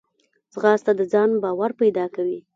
ځغاسته د ځان باور پیدا کوي